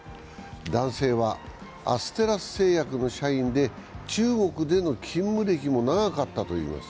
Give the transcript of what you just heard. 男性はアステラス製薬の社員で中国での勤務歴も長かったといいます。